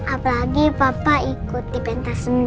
apalagi papa ikut di pentas seni